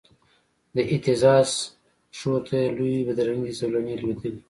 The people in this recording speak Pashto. د اهتزاز پښو ته یې لویي بدرنګې زولنې لویدلې